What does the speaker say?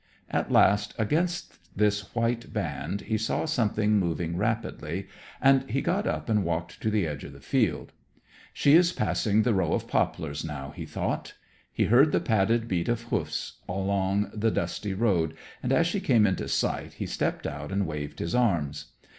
At last, against this white band he saw something moving rapidly, and he got up and walked to the edge of the field. "She is passing the row of poplars now," he thought. He heard the padded beat of hoofs along the dusty road, and as she came into sight he stepped out and waved his arms.